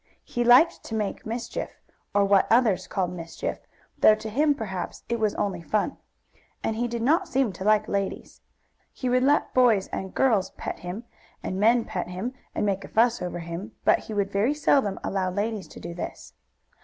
He liked to make mischief, or what others called mischief, though to him perhaps it was only fun. And he did not seem to like ladies. He would let boys and girls and men pet him, and make a fuss over him, but he would very seldom allow ladies to do this.